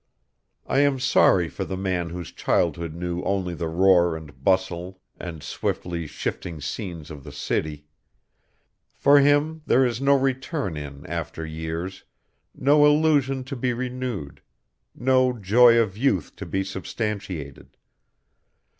I am sorry for the man whose childhood knew only the roar and bustle and swiftly shifting scenes of the city. For him there is no return in after years, no illusion to be renewed, no joy of youth to be substantiated.